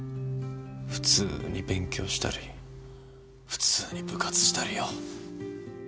普通に勉強したり普通に部活したりよ。